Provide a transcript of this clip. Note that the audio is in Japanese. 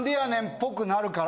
ぽくなるから。